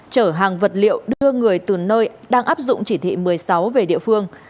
chở hàng vật liệu đưa người từ nơi đang áp dụng chỉ thị một mươi sáu về địa phương